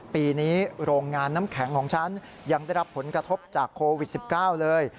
ปีนี้โรงงานน้ำแข็งของฉันยังได้รับผลกระทบจากโควิด๑๙เลย